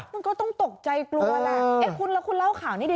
มันก็ต้องตกใจกลัวแหละเอ๊ะคุณแล้วคุณเล่าข่าวนี้ดี